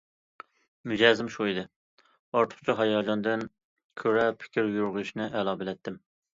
مىجەزىم شۇ ئىدى: ئارتۇقچە ھاياجاندىن كۆرە پىكىر يۈرگۈزۈشنى ئەلا بىلەتتىم.